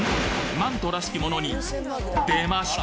マントらしきものに出ました！